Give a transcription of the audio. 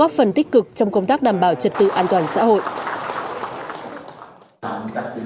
góp phần tích cực trong công tác đảm bảo trật tự an toàn xã hội